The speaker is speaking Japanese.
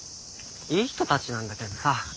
いい人たちなんだけどさ